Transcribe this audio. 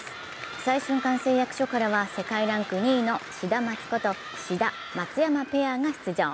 再春館製薬所からは世界ランク２位のシダマツこと志田・松山ペアが出場。